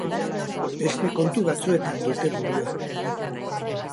Beste kontu batzuetan dute burua.